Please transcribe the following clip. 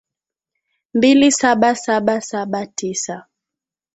mbili saba saba saba tisa